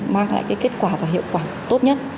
mang lại cái kết quả và hiệu quả tốt nhất